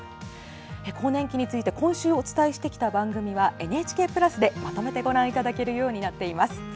更年期について今週お伝えしてきた番組は「ＮＨＫプラス」でまとめてご覧いただけます。